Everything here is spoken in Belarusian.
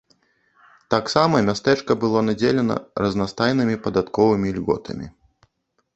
Таксама мястэчка было надзелена разнастайнымі падатковымі льготамі.